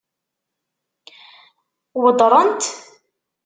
Weddṛen-t?